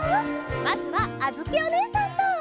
まずはあづきおねえさんと！